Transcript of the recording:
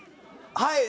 はい。